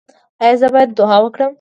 ایا زه باید دعا وکړم؟